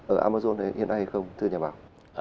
ở amazon hiện nay không thưa nhà bảo